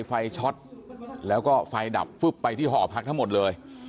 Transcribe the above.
ไฟช็อตแล้วก็ไฟดับฟึ๊บไปที่หอพักทั้งหมดเลย